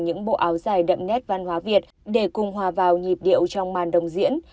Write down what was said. những bộ áo dài đậm nét văn hóa việt để cùng hòa vào nhịp điệu trong màn đồng diễn